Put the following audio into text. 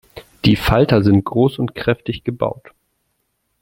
Die Falter sind groß und kräftig gebaut.